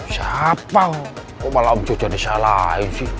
siapa kok malah om sudah disalahin sih